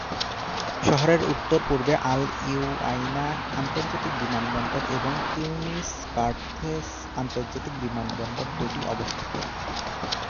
শহরের উত্তর-পূর্বে আল-উওয়াইনাহ আন্তর্জাতিক বিমানবন্দর এবং তিউনিস-কার্থেজ আন্তর্জাতিক বিমানবন্দর দুইটি অবস্থিত।